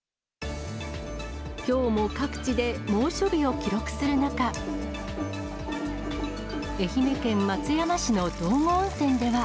きょうも各地で猛暑日を記録する中、愛媛県松山市の道後温泉では。